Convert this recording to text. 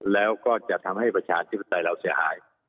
แล้วก็จะทำให้ประชาธิปไตยเราเสียหาย